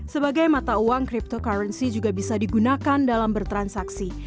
sebagai mata uang cryptocurrency juga bisa digunakan dalam bertransaksi